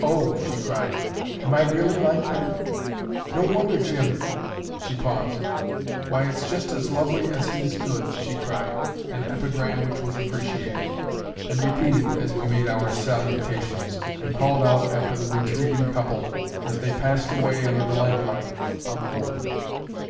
"O!" she cried, "am I really like that? No wonder Jim ..." She paused. "Why it's just as lovely as he's good!" she cried: an epigram which was appreciated, and repeated as we made our salutations, and called out after the retreating couple as they passed away under the lamplight on the wharf.